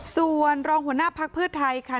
ส่วนรองหัวหน้าพักเพื่อไทยค่ะ